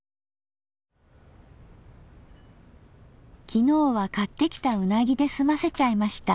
昨日は買ってきたうなぎで済ませちゃいました。